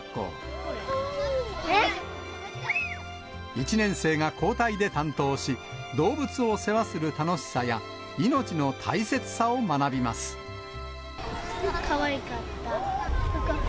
１年生が交代で担当し、動物を世話する楽しさや、かわいかった。